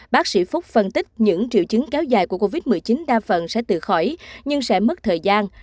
bác sĩ phúc phân tích những triệu chứng kéo dài của covid một mươi chín đa phần sẽ từ khỏi nhưng sẽ mất thời gian